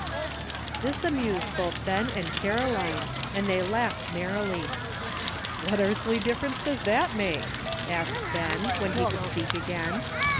This amused both Ben and Caroline, and they laughed merrily. " What earthly difference does that make? " asked Ben, when he could speak again.